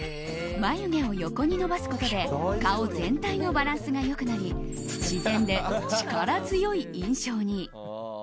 眉毛を横に伸ばすことで顔全体のバランスが良くなり自然で力強い印象に。